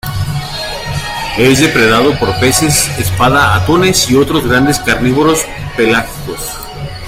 Es depredado por peces espada, atunes y otros grandes carnívoros pelágicos.